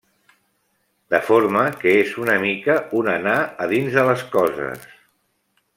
De forma que és una mica un anar a dins de les coses.